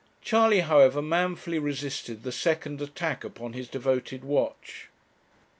Charley, however, manfully resisted the second attack upon his devoted watch.